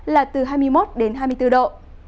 là từ hai mươi một đến hai mươi bốn độ